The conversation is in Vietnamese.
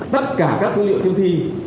tất cả các dữ liệu chấm thi